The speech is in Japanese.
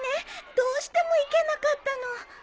どうしても行けなかったの。